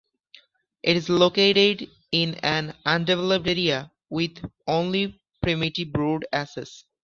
It is located in an undeveloped area with only primitive road access.